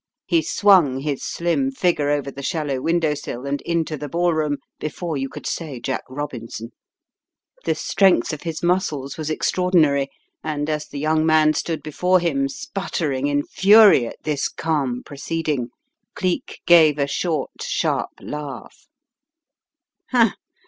He swung his slim figure over the shallow window sill and into the ball room before you could say Jack Robinson. The strength of his muscles was extraordinary, 240 « 'Tis a Mad World, My Masters'* 241 and as the young man stood before him, sputtering in fury at this calm proceeding, Cleek gave a short, sharp laugh.